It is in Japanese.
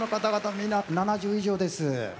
みんな７０以上です。